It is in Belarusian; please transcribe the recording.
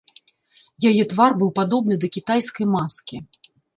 Яе твар быў падобны да кітайскай маскі.